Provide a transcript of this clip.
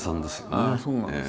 ああそうなんです。